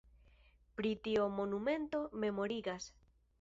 Pri tio monumento memorigas.